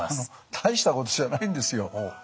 大したことじゃないんですよ。